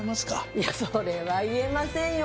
いやそれは言えませんよ。